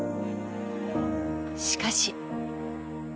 しかし。